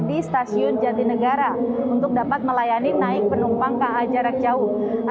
di stasiun jatinegara untuk dapat melayani naik penumpang ka jarak jauh